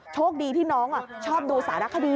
โชคดีที่น้องชอบดูสารคดี